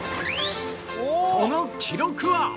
その記録は？